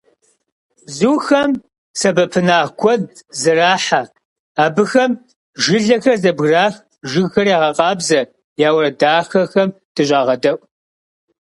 Бзухэм сэбэпынагъ куэд зэрахьэ. Абыхэм жылэхэр зэбгырах, жыгхэр ягъэкъабзэ, я уэрэд дахэхэм дыщӀагъэдэӀу.